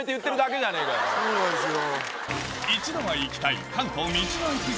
そうなんですよ。